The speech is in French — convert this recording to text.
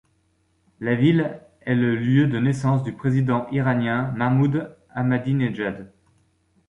La ville est le lieu de naissance du président iranien Mahmoud Ahmadinejad.